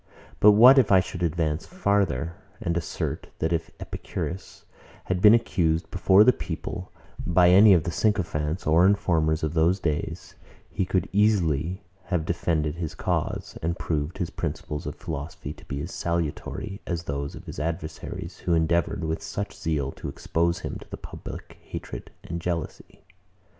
But what if I should advance farther, and assert, that if Epicurus had been accused before the people, by any of the sycophants or informers of those days, he could easily have defended his cause, and proved his principles of philosophy to be as salutary as those of his adversaries, who endeavoured, with such zeal, to expose him to the public hatred and jealousy?